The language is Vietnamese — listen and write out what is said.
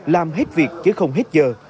làm hết việc chứ không hết giờ